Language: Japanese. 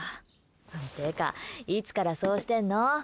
てか、いるからそうしてんの？